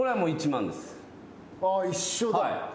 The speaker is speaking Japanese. あ一緒だ。